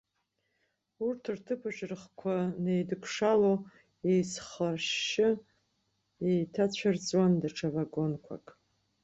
Урҭ рҭыԥаҿы рыхқәа неидыкшало, еицырхашьшьы еиҭаацәырҵуан даҽа вагонқәак.